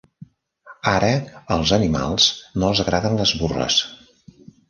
Ara als animals no els agraden les burles.